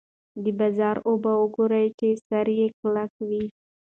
د بازار اوبه وګورئ چې سر یې کلک وي.